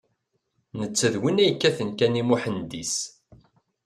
Netta d winna yekkaten kan i Muḥend-is.